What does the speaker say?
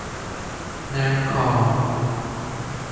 งานของ